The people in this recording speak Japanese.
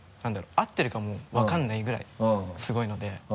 合ってるかも分かんないぐらいすごいので。